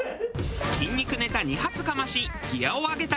筋肉ネタ２発かましギアを上げた春日。